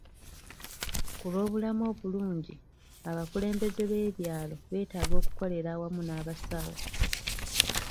Ku lw'obulamu obulungi, abakulembeze b'ebyalo beetaaga okukolera awamu n'abasawo.